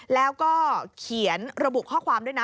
แล้วก็เขียนระบุข้อความด้วยนะ